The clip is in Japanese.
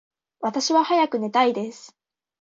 私は早く寝たいです。